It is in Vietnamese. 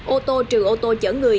ô tô trừ ô tô chở người